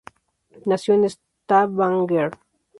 Nació en Stavanger.